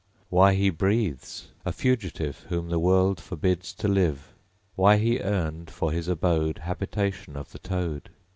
Why he breathes, a fugitive Whom the World forbids to live. Why he earned for his abode, Habitation of the toad!